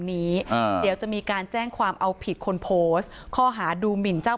นี้อ่าเดี๋ยวจะมีการแจ้งความเอาผิดคนโพสต์ข้อหาดูหมินเจ้า